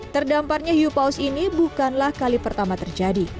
terdamparnya hiu paus ini bukanlah kali pertama terjadi